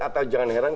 atau jangan heran